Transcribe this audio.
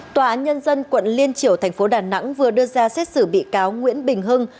tòa án nhân dân quận liên triểu thành phố đà nẵng vừa đưa ra xét xử bị cáo nguyễn bình hưng